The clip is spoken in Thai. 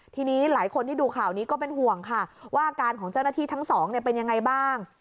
ทีนี้หลายคนที่ดูข่าวนี้ก็เป็นห่วงค่ะว่าอาการของเจ้าหน้าที่ทั้งสองเป็นยังไงบ้าง